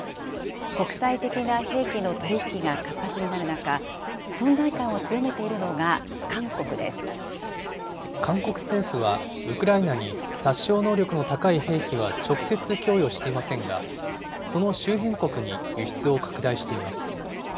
国際的な兵器の取り引きが活発になる中、存在感を強めているのが韓国政府は、ウクライナに殺傷能力の高い兵器は直接供与していませんが、その周辺国に輸出を拡大しています。